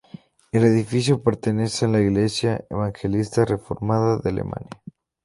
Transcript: El edificio pertenece a la Iglesia Evangelista Reformada de Alemania.